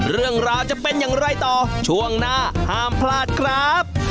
เรื่องราวจะเป็นอย่างไรต่อช่วงหน้าห้ามพลาดครับ